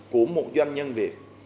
của một doanh nhân việt